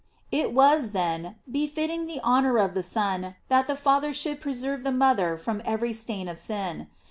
"f It was, then, befitting the honor of the Son that the Father should preserve the mother from every stain of sin.